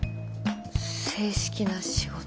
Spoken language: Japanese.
正式な仕事。